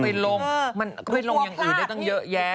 ไปลงมันก็ไปลงอย่างอื่นได้ตั้งเยอะแยะ